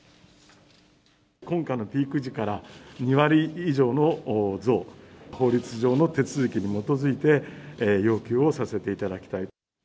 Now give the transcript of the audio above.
今回のピーク時から２割以上の増、法律上の手続きに基づいて、要求をさせていただきたい。